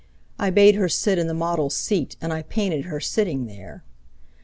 I bade her sit in the model's seat And I painted her sitting there.